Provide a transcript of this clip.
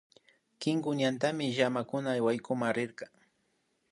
Kinku ñantami llamakuna waykunan rirka